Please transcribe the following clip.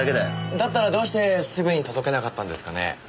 だったらどうしてすぐに届けなかったんですかね？